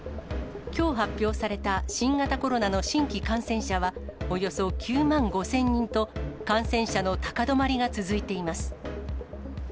きょう発表された新型コロナの新規感染者はおよそ９万５０００人と、感染者の高止まりが続いています。